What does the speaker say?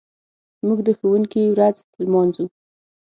موږ د ښوونکي ورځ لمانځو.